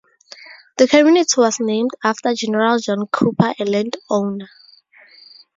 The community was named after General John Cooper, a landowner.